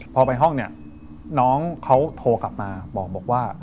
พอไปห้องเนี่ยน้องเขาโทรกลับมาบอกว่า